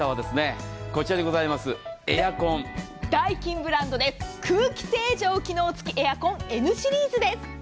ダイキンブランドで空気清浄機能付きエアコンＮシリーズです。